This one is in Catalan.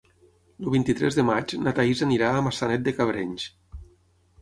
El vint-i-tres de maig na Thaís anirà a Maçanet de Cabrenys.